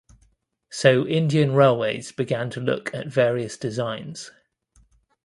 So Indian Railways began to look at various designs.